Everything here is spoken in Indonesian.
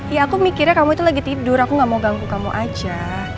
ya aku mikirnya kamu itu lagi tidur aku gak mau ganggu kamu aja